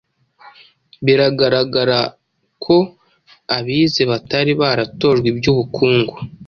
biragaragara ko abize batari baratojwe iby'ubukungu